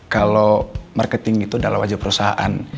kalau marketing itu adalah wajah perusahaan